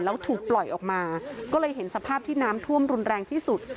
แล้วถูกปล่อยออกมาก็เลยเห็นสภาพที่น้ำท่วมรุนแรงที่สุด